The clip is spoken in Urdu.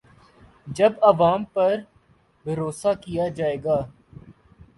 جب عوام پر بھروسہ کیا جائے گا۔